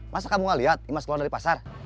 masa kamu ngeliat imas keluar dari pasar